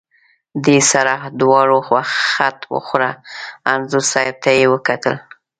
دې سره دواړو خټ وخوړه، انځور صاحب ته یې وکتل.